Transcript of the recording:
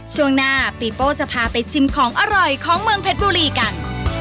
ช่วงหน้าปีโป้จะพาไปชิมของอร่อยของเมืองเพชรบุรีกัน